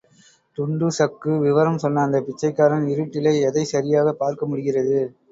டுன்டுஷக்கு விவரம் சொன்ன அந்தப் பிச்சைக்காரன் இருட்டிலே எதைச் சரியாகப் பார்க்க முடிகிறது.